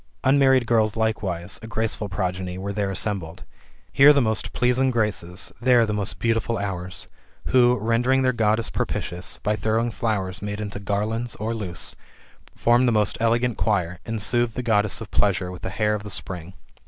Unmarried girls likewise, a graceful progeny, were there assembled. Here the most pleasing Graces, there the most beautiful Hours, who, rendering their Goddess propitious, by throwing flowers made into garlands or loose, formed a most elegant choir, and soothed the Goddess of pleasures with the air of the spring.